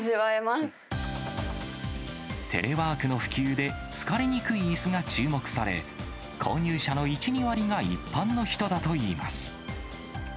テレワークの普及で、疲れにくいいすが注目され、購入者の１、２割が一般の人だといいます。